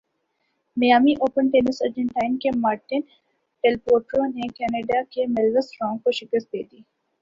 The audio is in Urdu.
میامی اوپن ٹینس ارجنٹائن کے مارٹین ڈیلپوٹرو نے کینیڈا کے ملیوس رانک کو شکست دے دی